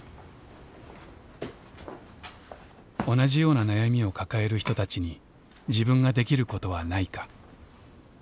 同じような悩みを抱える人たちに自分ができることはないか。